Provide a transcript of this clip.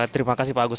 terima kasih pak agus